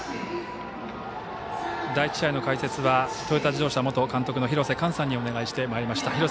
第１試合の解説はトヨタ自動車元監督の廣瀬寛さんにお願いしてまいりました。